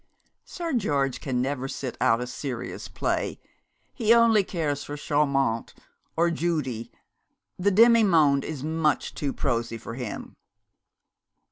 'Sir George can never sit out a serious play. He only cares for Chaumont or Judie. The Demi monde is much too prosy for him.'